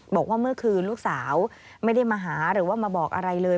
บอกว่าเมื่อคืนลูกสาวไม่ได้มาหาหรือว่ามาบอกอะไรเลย